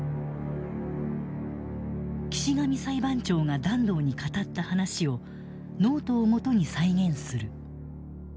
岸上裁判長が團藤に語った話をノートをもとに再現する。